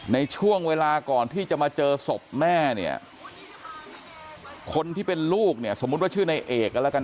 ในช่วงเวลาก่อนที่จะมาเจอศพแม่เนี่ยคนที่เป็นลูกเนี่ยสมมุติว่าชื่อในเอกกันแล้วกัน